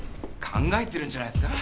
考えてるんじゃないですか？